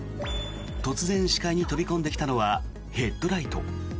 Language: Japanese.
突然、視界に飛び込んできたのはヘッドライト。